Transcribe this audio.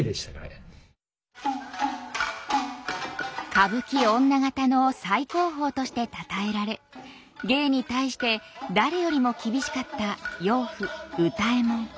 歌舞伎女方の最高峰としてたたえられ芸に対して誰よりも厳しかった養父歌右衛門。